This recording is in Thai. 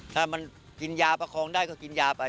ถ้ามันกินยาประคองได้ก็กินยาไป